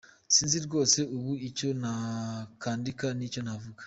Sinzi rwose ubu icyo nakandika n’icyo navuga.